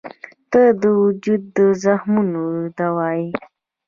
• ته د وجود د زخمونو دوا یې.